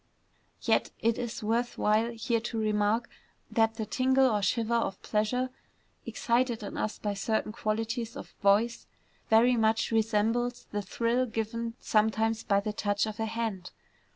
Yet it is worth while here to remark that the tingle or shiver of pleasure excited in us by certain qualities of voice, very much resembles the thrill given sometimes by the touch of a hand.